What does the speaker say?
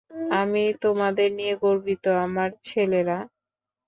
আমি তোমাদের নিয়ে গর্বিত, আমার ছেলেরা!